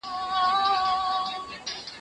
زه به اوږده موده درسونه ولولم!؟